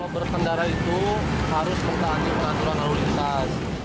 kalau berkendara itu harus mempengaruhi peraturan lulusan